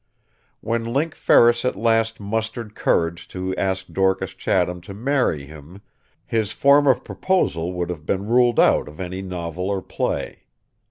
When Link Ferris at last mustered courage to ask Dorcas Chatham to marry him his form of proposal would have been ruled out of any novel or play.